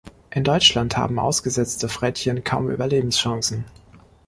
In Deutschland haben ausgesetzte Frettchen kaum Überlebenschancen.